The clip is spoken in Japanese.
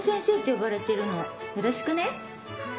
よろしくね。